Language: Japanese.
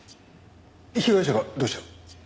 被害者がどうした？